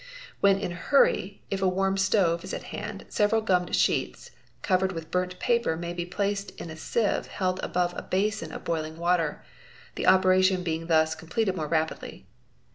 When in a hurry, if a warm stove is at hand, several gummed sheets covered with burnt paper may be placed in a sieve held above a basin of boiling water, the operation being thus completed more rapidly.